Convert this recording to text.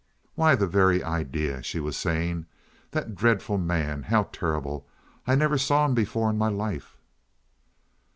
"Why, the very idea!" she was saying. "That dreadful man! How terrible! I never saw him before in my life."